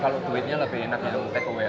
kalau duitnya lebih enak kalau take away aja